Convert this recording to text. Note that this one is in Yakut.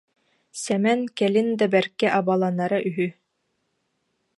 Сэмэн кэлин да бэркэ абаланара үһү